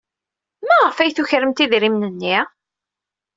Maɣef ay tukremt idrimen-nni?